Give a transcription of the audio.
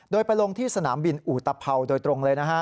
โดยไปลงที่สนามบินอุตภัวโดยตรงเลยนะฮะ